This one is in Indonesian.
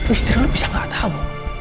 istri lo bisa gak tau